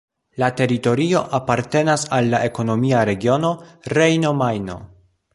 La teritorio apartenas al la ekonomia regiono Rejno-Majno.